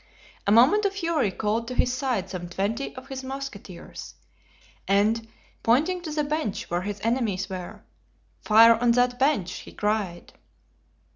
A movement of fury called to his side some twenty of his musketeers, and pointing to the bench where his enemies were: "Fire on that bench!" he cried.